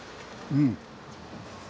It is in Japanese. うん。